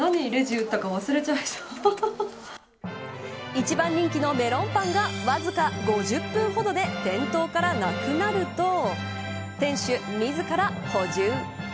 一番人気のメロンパンがわずか５０分ほどで店頭からなくなると店主自ら補充。